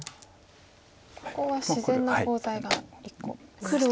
ここは自然なコウ材が１個ありましたね。